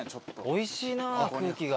おいしいな空気が。